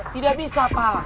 tidak bisa pak